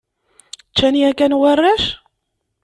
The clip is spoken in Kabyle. Ččan yakan warrac?